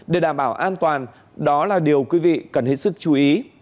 để đảm bảo an toàn đó là điều quý vị cần hết sức chú ý